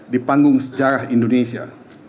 di panggung sejarah indonesia